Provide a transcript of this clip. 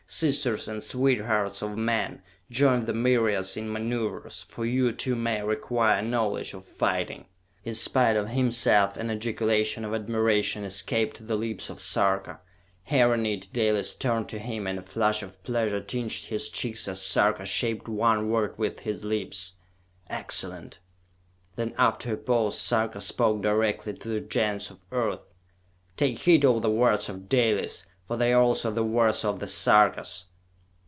Sisters and sweethearts of men, join the myriads in maneuvers, for you, too, may require knowledge of fighting!" In spite of himself, an ejaculation of admiration escaped the lips of Sarka. Hearing it, Dalis turned to him, and a flush of pleasure tinged his cheeks as Sarka shaped one word with his lips: "Excellent!" Then, after a pause, Sarka spoke directly to the Gens of Earth. "Take heed of the words of Dalis, for they are also the words of the Sarkas!"